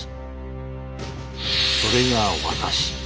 それが私。